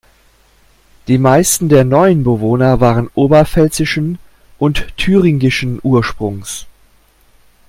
Die meisten der neuen Bewohner waren oberpfälzischen und thüringischen Ursprungs.